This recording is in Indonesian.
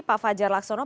pak fajar laksono